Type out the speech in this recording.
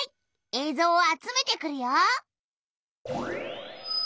えいぞうを集めてくるよ。